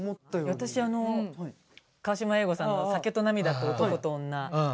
私あの河島英五さんの「酒と泪と男と女」